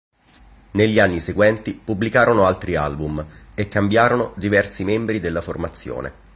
Negli anni seguenti pubblicarono altri album e cambiarono diversi membri della formazione.